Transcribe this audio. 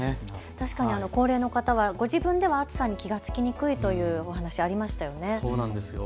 確かに高齢の方はご自分では暑さに気がつきにくいというお話、ありましたよね。